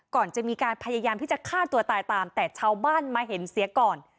ก่อนจะมีการพยายามที่จะฆ่าตัวตายตามแต่ชาวบ้านมาเห็นเสียก่อน